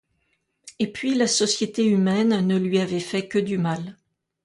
Et puis, la société humaine ne lui avait fait que du mal.